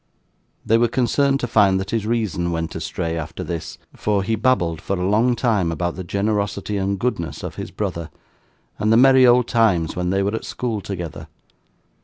They were concerned to find that his reason went astray after this; for he babbled, for a long time, about the generosity and goodness of his brother, and the merry old times when they were at school together.